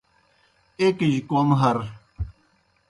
ایْکِجیْ کوْم ہَر۔